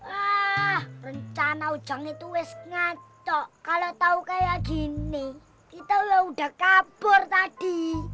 ah rencana ujang itu wes ngaco kalo tau kaya gini kita udah kabur tadi